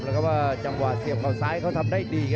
แล้วก็ว่าจังหวะเสียบเขาซ้ายเขาทำได้ดี